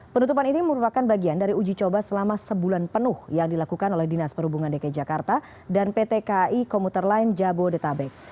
penutupan ini merupakan bagian dari uji coba selama sebulan penuh yang dilakukan oleh dinas perhubungan dki jakarta dan pt kai komuter line jabodetabek